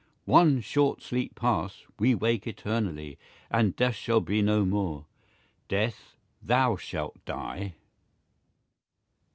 One short sleepe past, wee wake eternally, And death shall be no more; death, thou shalt die.